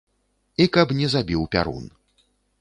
І каб не забіў пярун.